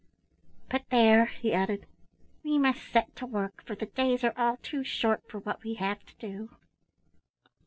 "But there," he added; "we must set to work, for the days are all too short for what we have to do."